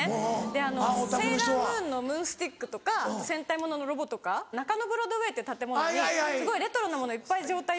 でセーラームーンのムーンスティックとか戦隊物のロボとか中野ブロードウェイって建物にすごいレトロなものいっぱい状態